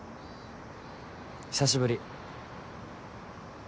久しぶり。